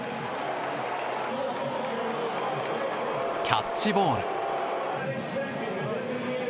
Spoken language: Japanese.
キャッチボール。